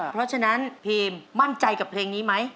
เพราะฉะนั้นพีมมั่นใจกับเพลงนี้ไหม